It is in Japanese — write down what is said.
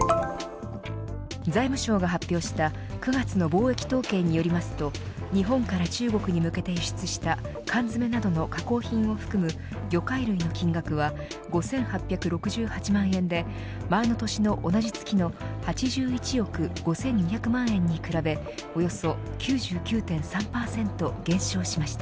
財務省が発表した９月の貿易統計によりますと日本から中国に向けて輸出した缶詰などの加工品を含む魚介類の金額は５８６８万円で前の年の同じ月の８１億５２００万円に比べおよそ９９．３％減少しました。